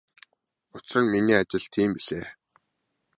Учир нь миний ажил тийм билээ.